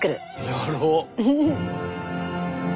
やろう。